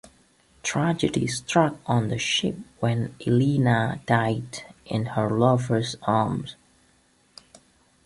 Tragedy struck on the ship, when Elena died in her lover's arms.